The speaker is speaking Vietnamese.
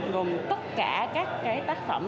gồm tất cả các cái tác phẩm